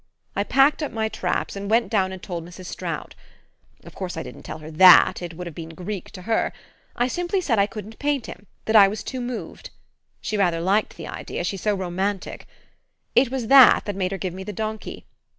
I packed up my traps, and went down and told Mrs. Stroud. Of course I didn't tell her THAT it would have been Greek to her. I simply said I couldn't paint him, that I was too moved. She rather liked the idea she's so romantic! It was that that made her give me the donkey.